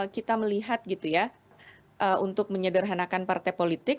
kita melihat gitu ya untuk menyederhanakan partai politik